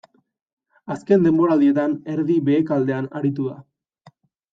Azken denboraldietan erdi-behekaldean aritu da.